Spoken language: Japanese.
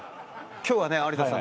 今日はね有田さん